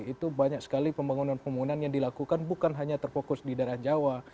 itu banyak sekali pembangunan pembangunan yang dilakukan bukan hanya terfokus di daerah jawa